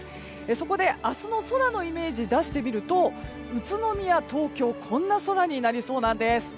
そこで、明日の空のイメージを出してみると宇都宮、東京こんな空になりそうなんです。